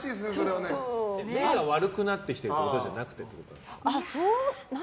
目が悪くなってきてるってことじゃないんですか？